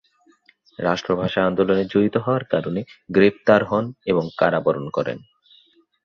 রাষ্ট্রভাষা আন্দোলনে জড়িত হওয়ার কারণে গ্রেপ্তার হন এবং কারাবরণ করেন।